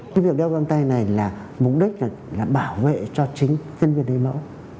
cái việc đeo găng tay này là mục đích là bảo vệ cho chính nhân viên lấy mẫu